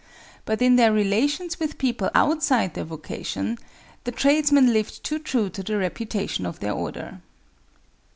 but in their relations with people outside their vocation, the tradesmen lived too true to the reputation of their order.